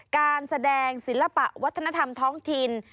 การแสดงศิลปะวัฒนธรรมท้องถิ่น